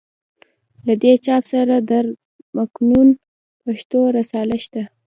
له دې چاپ سره د در مکنون پښتو رساله شته.